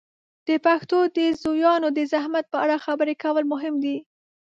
د پښتو د زویانو د زحمت په اړه خبرې کول مهم دي.